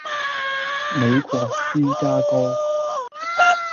美國芝加哥